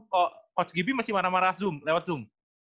kok coach gibi masih marah marah zoom lewat zoom